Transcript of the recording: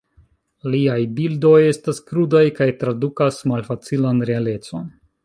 Liaj bildoj estas krudaj kaj tradukas malfacilan realecon.